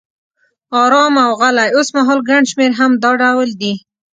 آرام او غلی، اوسمهال ګڼ شمېر هم دا ډول دي.